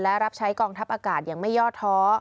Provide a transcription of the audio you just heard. และรับใช้กองทัพอากาศอย่างไม่ย่อท้อ